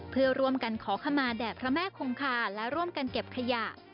เพื่อร่วมกันขอขมาแด่พระแม่คงคาและร่วมกันเก็บขยะ